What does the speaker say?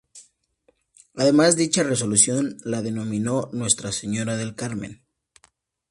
Además dicha resolución la denominó Nuestra Señora del Carmen.